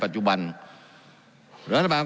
การปรับปรุงทางพื้นฐานสนามบิน